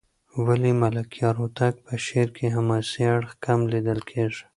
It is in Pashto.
ولې د ملکیار هوتک په شعر کې حماسي اړخ کم لېدل کېږي؟